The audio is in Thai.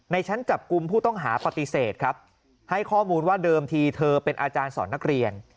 ชั้นจับกลุ่มผู้ต้องหาปฏิเสธครับให้ข้อมูลว่าเดิมทีเธอเป็นอาจารย์สอนนักเรียน